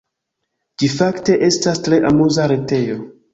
Ĝi fakte estas tre amuza retejo.